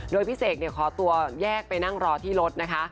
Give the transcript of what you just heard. โดยพี่เสกขอตัวแยกไปนั่งรอที่รถนะคะ